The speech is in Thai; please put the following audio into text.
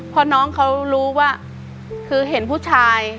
พอน้องเขารู้ว่าคือเห็นผู้ชาย